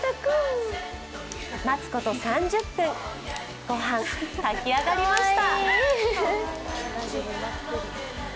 待つこと３０分、御飯炊き上がりました。